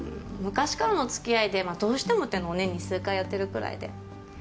昔からの付き合いでどうしてもっていうのを年に数回やってるくらいで。